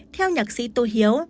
theo nhạc sĩ tô hiếu